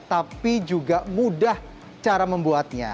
tapi juga mudah cara membuatnya